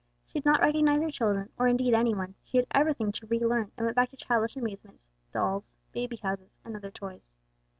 She did not recognize her children, or indeed any one; she had everything to relearn and went back to childish amusements, dolls, baby houses and other toys.